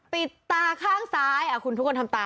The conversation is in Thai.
ตาข้างซ้ายคุณทุกคนทำตา